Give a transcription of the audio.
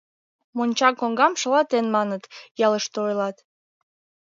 Монча коҥгам шалатен манын, ялыште ойлат.